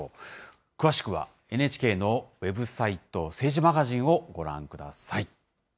詳しくはＮＨＫのウェブサイト、政治マガジンをご覧ください。